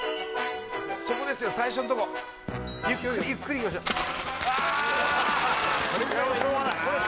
そこですよ最初んとこゆっくりいきましょうあーっ